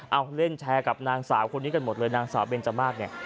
เอาเล่นแชร์กับนางสาวคนนี้กันหมดเลยนางสาวเบนจมาสเนี่ย